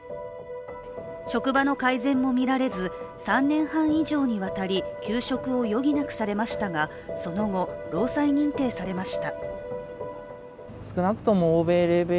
職場の改善も見られず、３年半以上にわたり休職を余儀なくされましたが、その後、労災認定されました。